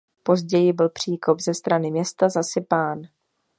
Později byl příkop ze strany města zasypán.